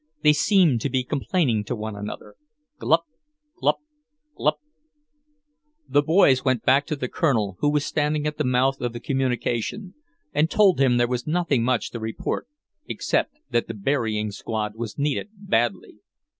They seemed to be complaining to one another; glup, glup, glup. The boys went back to the Colonel, who was standing at the mouth of the communication, and told him there was nothing much to report, except that the burying squad was needed badly.